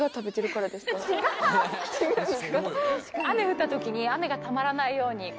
雨降った時に雨がたまらないように。